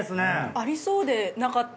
ありそうでなかった。